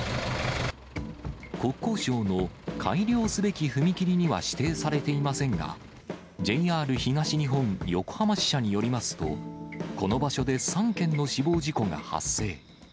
国交省の改良すべき踏切には指定されていませんが、ＪＲ東日本横浜支社によりますと、この場所で３件の死亡事故が発生。